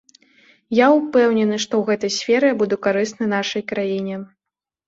Я ўпэўнены, што ў гэтай сферы я буду карысны нашай краіне.